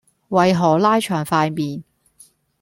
為何拉長塊面